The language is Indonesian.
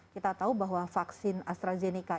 kita tahu bahwa vaksin astrazeneca